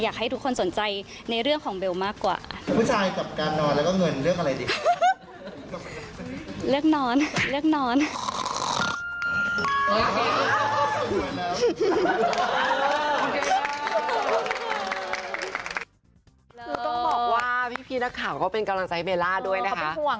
อยากให้ทุกคนสนใจในเรื่องของเบลมากกว่าผู้ชายกับการนอนแล้วก็เงินเรื่องอะไรดี